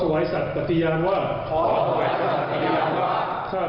ขอถวายสัตว์ปฏิญาณว่าขอถวายสัตว์ปฏิญาณว่า